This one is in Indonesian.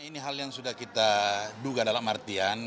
ini hal yang sudah kita duga dalam artian